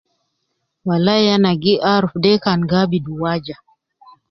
Walai ana gi arufu de kan gi abidu waja